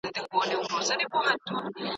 ایا محصلین د څيړني له اصولو سره بلد دي؟